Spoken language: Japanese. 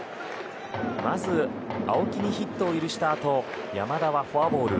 まず、青木にヒットを許したあと山田はフォアボール。